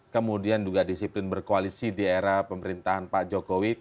kemudian juga disiplin berkoalisi di era pemerintahan pak jokowi